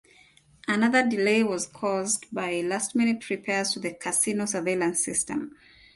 Another delay was caused by last-minute repairs to the casino surveillance system.